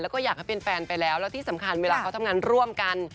แล้วก็อยากให้เป็นแฟนไปแล้วแล้วที่สำคัญเวลาเขาทำงานร่วมกัน